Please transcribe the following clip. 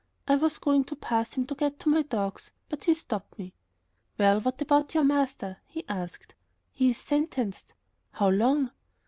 I was going to pass him to get to my dogs, but he stopped me. "Well, what about your master?" he asked. "He is sentenced." "How long?"